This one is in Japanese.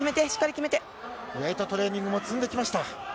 向田はウェートトレーニングも積んできました。